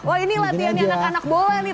wah ini latihan anak anak bola nih